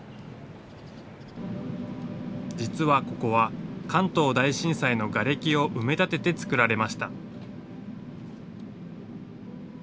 実はここは関東大震災のがれきを埋め立ててつくられました。